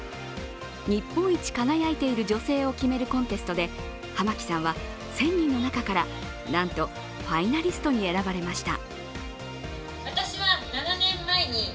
日本一輝いている女性を決めるコンテストで浜木さんは１０００人の中からなんとファイナリストに選ばれました。